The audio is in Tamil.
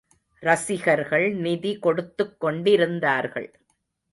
ரசிகர்கள் நிதி கொடுத்துக் கொண்டிருந்தார்கள்.